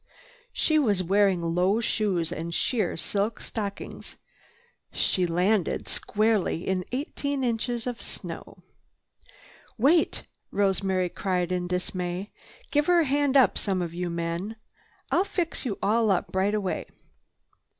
She was wearing low shoes and sheer silk stockings. She landed squarely in eighteen inches of snow. "Wait!" Rosemary cried in dismay. "Give her a hand up, some of you men. I'll fix you all up right away."